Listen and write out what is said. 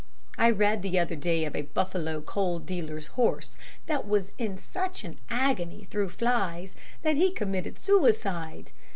I read the other day of a Buffalo coal dealer's horse that was in such an agony through flies, that he committed suicide.